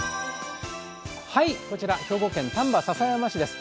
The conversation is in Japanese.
こちら兵庫県丹波篠山市です。